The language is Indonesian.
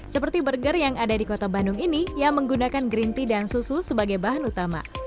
seperti burger yang ada di kota bandung ini yang menggunakan green tea dan susu sebagai bahan utama